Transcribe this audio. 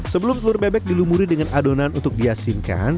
sebelum telur bebek dilumuri dengan adonan untuk diasinkan